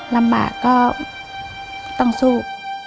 ลำบากก็ต้องสู้